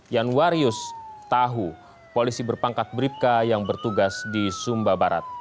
yanwarius tahu polisi berpangkat bribka yang bertugas di sumba barat